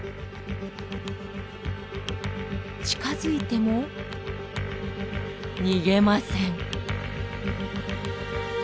近づいても逃げません。